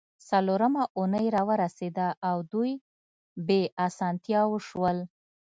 څلورمه اونۍ راورسیده او دوی بې اسانتیاوو شول